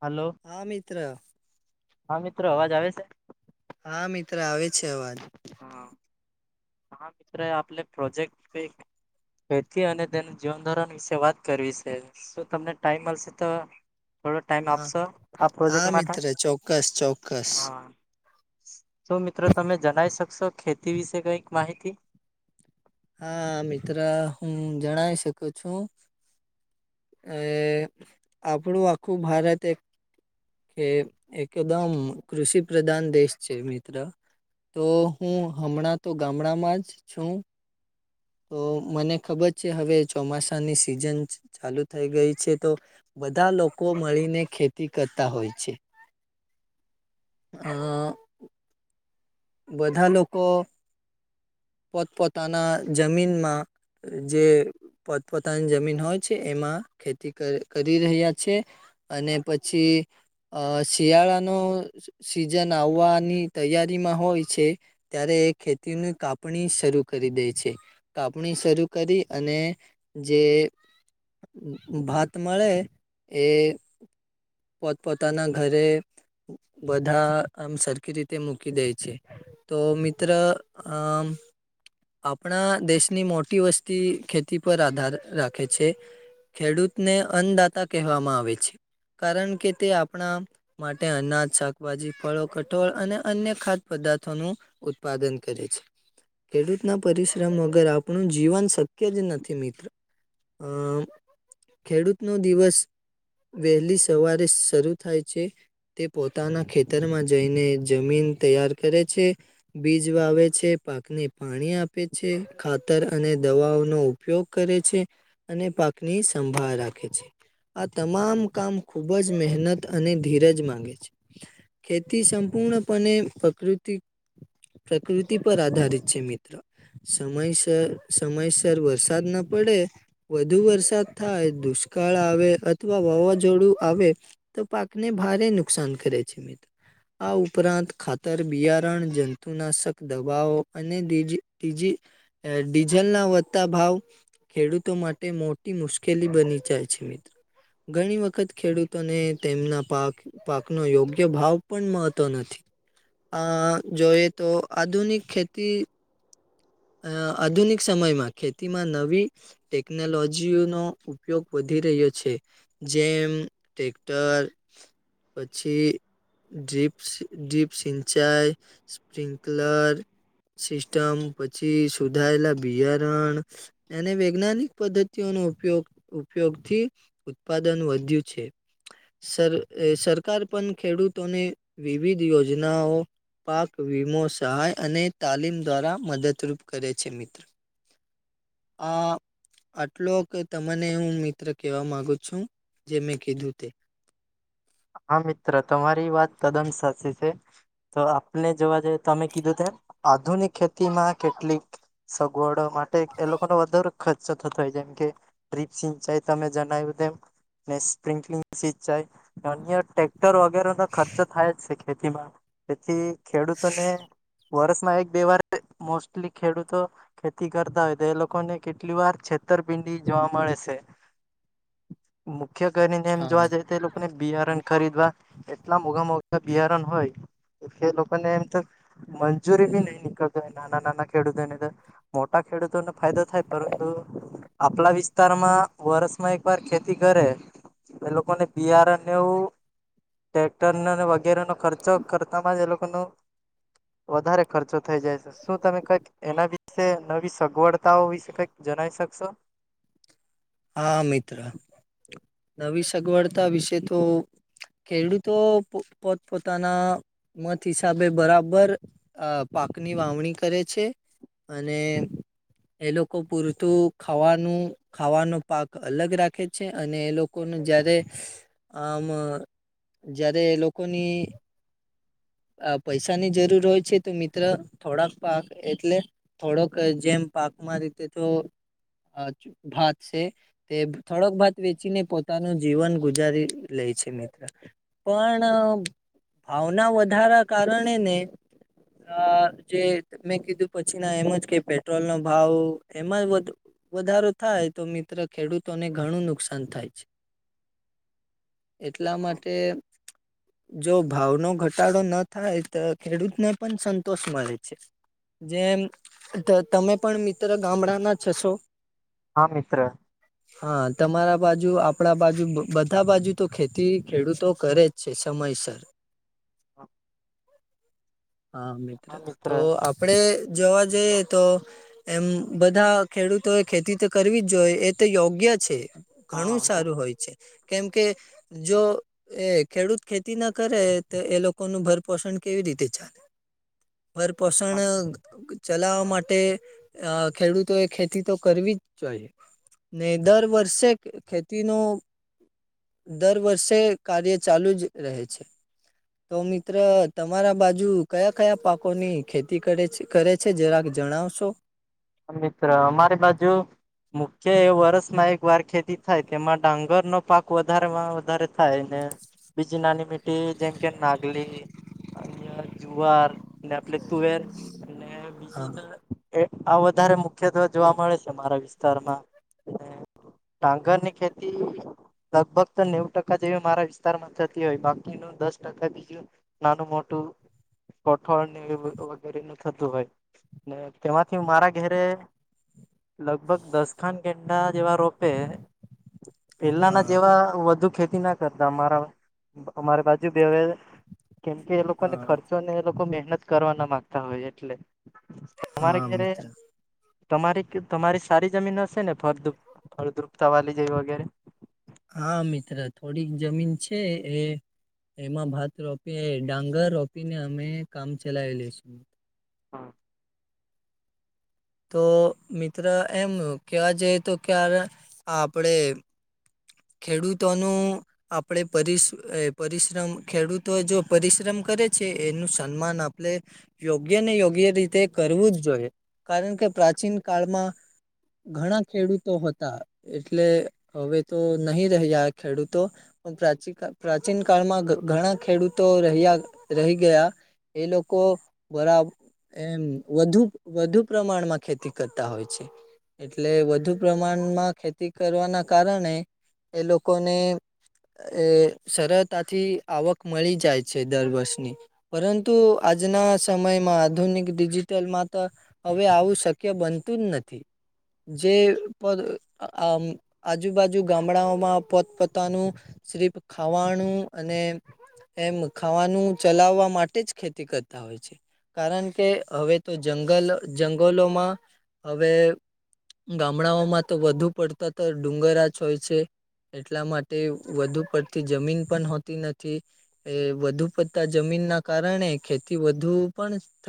હાલો. હા મિત્ર. હા મિત્રો અવાજ આવે છે. હા મિત્ર આવે છે અવાજ. હા. હા મિત્ર આપલે પ્રોજેક્ટ એથી અને તેને જીવન ધોરણ વિશે વાત કરવી સે. શું તમને ટાઈમ મળશે તો. થોડો ટાઈમ હા આપશો આ પ્રોજેક્ટ હા માટે મિત્ર ચોક્કસ ચોક્કસ હા. શું મિત્રો તમે જણાઇ શકશો ખેતી વિશે કઈક માહિતી. હા મિત્રા હું જળા ઇ શકું છું. અ આપણું આખું ભારત એક. કે એકદમ કૃષિ પ્રધાન દેશ છે મિત્ર. તો હું હમણાં તો ગામડામાં જ છું. તો મને ખબર છે હવે ચોમાસાની સિઝન. ચાલુ થઈ ગઈ છે તો બધા લોકો મળીને ખેતી કર. હોય છે આ. બધા લોકો પોતપોતાના જમીનમાં. જે પોતપોતાની જમીન હોય છે એમાં ખેતી ક કરી રહ્યા છે. અને પછી. અ શિયાળાનો સિઝન આવવાની તૈયારીમાં. હોય છે ત્યારે એ ખેતીની કાપણી શરૂ કરી દે છે. કાપણી શરૂ કરી અને જે. ભાત મળે એ. પોત પોતાના ઘરે બધા આમ સરખી રીતે મૂકી દે. તો મિત્ર આમ. આપણા દેશની મોટી વસ્તી ખેતી પર આધાર રાખે છે. ખેડૂતને અન્નદાતા કહેવામાં આવે છે. કારણ કે તે આપણા માટે અનાજ શાકભાજી ફળો કઠોળ અને અન્ય ખા. પદાર્થો નું ઉત્પાદન કરે છે. ખેડૂત ના પરિશ્રમ વગર આપણું જીવન શક્ય જ નથી મિત્ર. અ ખેડૂત નો દિવસ. વહેલી સવારે શરૂ થાય છે. તે પોતાના ખેતરમાં જઈને જમીન તૈયાર કરે છે. બીજ વાવે છે પાકને પાણી આપે છે ખાતર અને દવાઓનો. ઉપયોગ કરે છે અને પાકની સંભાળ રાખે છે. આ તમામ કામ ખુબ જ મહેનત અને ધીરજ માંગે છે. ખેતી સંપૂર્ણપણે પ્રકૃતિ. પ્રકૃતિ પર આધારિત છે મિત્ર. સમયસર સમયસર વરસાદ ના પડે. વધુ વરસાદ થાય દુષ્કાળ આવે અથવા વાવાઝોડું આવે. તો પાકને ભારે નુકસાન કરે છે મિત્ર આ ઉપરાંત ખા. ર બિયારણ જંતુનાશક દવાઓ અનેજી ત્રીજી. ડીઝલ ના વધતા ભાવ. ખેડૂતો માટે મોટી મુશ્કેલી બની જાય છે મિત્રો. ઘણી વખત ખેડૂતોને તેમના પાક. પાક નો યોગ્ય ભાવ પણ મળતો નથી. અ જોઈએ તો આધુનિક ખેતી. અ આધુનિક સમયમાં ખેતીમાં નવી ટેકનોલોજી નો ઉપયોગ વધી રહ્યો છે. જેમ ટેક્ટર. પછી ડીરીપ ડીરીપ સિંચાઈ. સ્પ્રિન્કલર સિસ્ટમ પછી સુધાયેલા બિયારણ અએને વૈજ્ઞાનિક પદ્ધતિઓનો ઉપયોગ ઉપયોગ થી ઉત્પાદન વધ્યું છે સર સરકાર પણ ખેડૂતોને વિવિધ યોજનાઓ પાક વીમો સહાય અને તાલીમ દ્વારા મદદરૂપ કરે છે મિત્ર અં આટલોક તમને હું મિત્ર કહેવા માગુ છું જે મેં કીધું તે હા મિત્ર તમારી વાત તદન સાચી છે તો આપલે જોવા જેઈ તમે કીધું તેમ આધુનિક ખેતી માં કેટલીક સગવડો માટે એ લોકોનો વધારે ખર્ચો થતો હોય જેમ કે ટ્રીપ સિંચાઈ તમે જનાય્વુ તેમ ને સ્પ્રિન્કલિંગ સિંચાઈ અન્ય ટેક્ટર વગેરેનો ખર્ચો થાય જ છે ખેતી માં તેથી ખેડૂતોને વર્ષમાં એક બે વાર મોસ્ટલી ખેડૂતો ખેતી કરતા હોય તો એ લોકોને કેટલી વાર છેતરપિંડી જોવા મળે છે. મુખ્ય કરીને એમ જોવા જઈએ તો એ લોકોને બિયારણ ખરીદવા. એટલા મોઘામાંઘા બિયારણ હોય, તો એ લોકો ને એમ તો મંજૂરી ભી નહી નનીકળતો નાના નાના ખેડૂતોને તો. મોટા ખેડૂતોને ફાયદો થાય પરંતુ આપલા વિસ્તારમાં વર્ષમાં એક વાર ખેતી કરે, એ લોકોને પીઆર એવુ ટટેક્ટરનો વગેરેનો ખર્ચો કરતા જ એ લોકો ન વધારે ખર્ચો થઈ જાય છે. શું તમે કંઈક એના વિશે નવી સગવડતાઓ વિશે કઈક જણાવી શકશો? હા મિત્ર, નવી સગવડતા વિશે તો ખેડૂતો પોત પોતાના મત હિસાબે બરાબર અ પાકની વાવણી કરે છે, અને એ લોકો પૂરતું ખાવાનું ખાવાનું પાક અલગ રાખે છે અને એ લોકોનું જયારે આમ જ્યારે લોકોની પૈસાની જરૂર હોય છે તો મિત્ર થોડાક પાક એટલે થોડોક જેમ પાકમાં રીતે તો ભાત છે. તે થોડોક ભત વેચીને પોતાનું જીવન ગુજારી લે છે મિત્ર. પણ ભાવના વધારા કારણે ને. અ જે મેં કીધું પછી ના એમ જ કે પેટ્રોલ નો ભાવ એમાં બધ વધારો થાય તો મિત્ર ખેડૂતોને ઘણું નુકસાન થાય છે. [inaudible] એટલા માટે જો ભાવનો ઘટ ઘટાડો ન થાય તો ખેડૂત ને પણ સંતોષ મળે છે. જેમ ત તમે પણ મિત્ર ગામડાના જ હશો. હા મિત્ર હા તમારા બાજુ આપણા બાજુ બધા બાજુ તો ખેતી ખેડૂતો કરે જ છે સમયસર. [unintelligible] હા મિત્ર તો આપડે જોવા જઈએ તો એમ બધા ખેડૂતો એ ખેતી તો કરવી જ જોઈએ એ તો યોગ્ય છે. ઘણું સારું હા હોય છે. કેમ કે જો એ ખેડૂત ખેતી ના કરે તો એ લોકો લોકો નું ભરપોષણ કેવી રીતે ચાલે ભરપોષણ ચલાવા માટે અ ખેડૂતો એ ખેતી તો કરવી જ જોઈએ. નહી દર વર્ષે ખેતી નો દર વર્ષે કાર્ય ચાલુ જ રહે છે. તો મિત્ર તમારા બાજુ કયા કયા પાકોની ખેતી કરે છે કરે. તે જરાક જણાવશો. મિત્ર અમારી બાજુ મુખ્ય એ વર્ષમાં એક વાર ખેતી થાય તેમાં ડાંગરનો પાક વધારેમાં વધારે થાય ને બીજી નાની મીઠી જેમ કે નાગલી અન્ય જુવાર આપલે તુવેર બીજી હા આવત વધારે મુખ્યત્વે જોવા મળે છે મારા વિસ્તારમાં. ડાંગર ની ખેતી લગભગ તો નેવ ટકા જેવી મારા વિસ્તારમાં થતી હોય બાકીનું દસ ટકા બીજું નાનુ મોટું કઠોળ ની વગેરે નું થતું હોય ને તેમાંથી મારા ઘેરે લગભગ દસ ખાન કેન્ડા જેવા રોપે છે. પેલાના હા જેવા વધુ ખેતી ના કરતા અમારા અમારે બાજુ હવે. કેમ કે એ લોકોને હા ખર્ચો ને એ લોકો મહેનત કરવા ના મામાંગતા હોય એટલે. તમારે હા ઘરે મિત્ર. તમારી તમારી સારી જમીન હશે ને ફળદ્રપ ફળદ્રુપતા વાલી જે વગેરે. હા મિત્ર થોડીક જમીન છે એ એમાં ભાત રોપી ડાંગર રોપી ને અમે કામ ચલાવેલી છું. હા. તો મિત્ર એમ કવા જઈએ તો ક્યારે આપડે ખેડૂતોનું આપણે પરિશ્રમ ખેડૂતો જો પરિશ્રમ કરે છે એનું સન્માન આપણે યોગ્ય ને યોગ્ય રીતે કરવું જ જોઈએ કારણ કે પ્રાચીન કાળમાં ઘણા ખેડૂતો હતા એટલે હવે તો નહી રહ્યા ખેડૂતો. પ્રાચીન પ્રાચીન કાળમાં ઘણા ખેડૂતો રહ્યા રહી ગયા. એ લોકો બરા એમ વધુ વધુ પ્રમાણમાં ખેતી કરતા હોય છે. એટલે વધુ પ્રમાણમાં ખેતી કરવાના કારણે એ લોકોને એ સરળતાથી આવક મળી જાય છે દર વર્ષની. પરંતુ આજના સમયમાં આધુનિક ડિજિટલમાં તો હવે આવું શક્ય બનતું જ નથી. જે પદ આજુબાજુ જ ગામડાઓમાં પોતપતાનું સ્રીફ ખાવાનું અને એમ ખાવાનું ચલાવવા માટે જ ખેતી કરતા હોય છે. કારણ કે હવે તો જંગલ જંગલોમાં હવે ગામડાઓમાં તો વધુ પડતા તો ડુંગરા જ હોય છે. એટલા માટે વધુ પડતી જમીન પણ હોતી નથી. એ વધુ પડતા જમીન ના કારણે ખેતી વધુ પણ થઈ